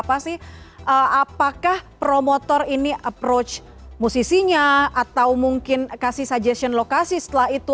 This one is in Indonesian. apa sih apakah promotor ini approach musisinya atau mungkin kasih sudgestion lokasi setelah itu